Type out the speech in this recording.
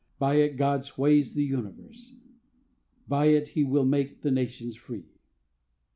By it God sways the universe. By it he will make the nations free.